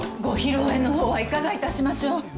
ご披露宴のほうはいかがいたしましょう？